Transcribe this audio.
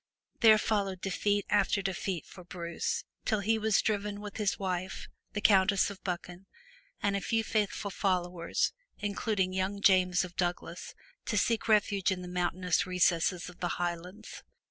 Then followed defeat after defeat for Bruce, till he was driven with his wife, the Countess of Buchan and a few faithful followers, including young James of Douglas, to seek refuge in the mountainous recesses of the Highlands.